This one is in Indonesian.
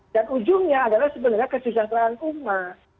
dan ujungnya adalah sebenarnya kesusahan umat